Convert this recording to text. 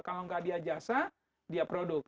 kalau nggak dia jasa dia produk